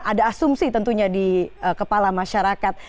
ada asumsi tentunya di kepala masyarakat